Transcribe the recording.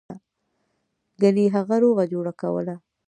ګنې هغه روغه جوړه کوله.